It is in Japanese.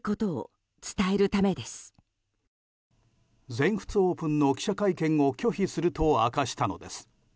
全仏オープンの記者会見を拒否すると明かしたのです。